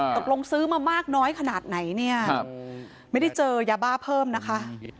ตกลงซื้อมามากน้อยขนาดไหนเนี่ยไม่ได้เจอยาบ้าเพิ่มนะคะ